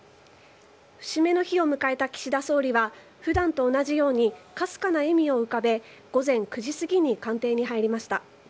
節目の日を迎えた岸田総理は普段と同じようにかすかな笑みを浮かべ午前９時すぎに官邸に入りました。